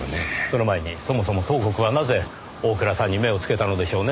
その前にそもそも東国はなぜ大倉さんに目をつけたのでしょうねぇ？